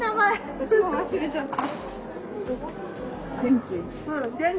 私も忘れちゃった。